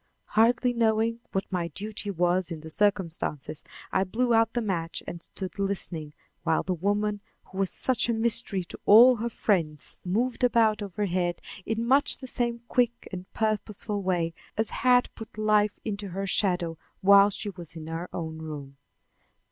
Hardly knowing what my duty was in the circumstances, I blew out the match and stood listening while the woman who was such a mystery to all her friends moved about overhead in much the same quick and purposeful way as had put life into her shadow while she was in her own room.